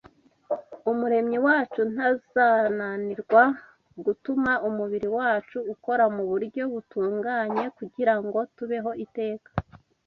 Umuremyi wacu ntazananirwa gutuma umubiri wacu ukora mu buryo butunganye kugira ngo tubeho iteka